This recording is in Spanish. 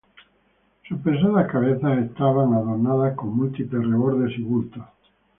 Sus pesadas cabezas estaban adornadas con múltiples rebordes y bultos.